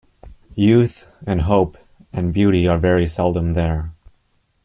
Youth, and hope, and beauty are very seldom there.